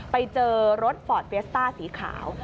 ไปเจอรถฟอร์ดเฟียสต้าสีขาว